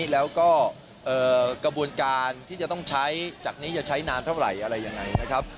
แล้วก็กระบวนการที่จะต้องใช้จากนี้จะใช้นานเท่าไหร่อะไรยังไงนะครับ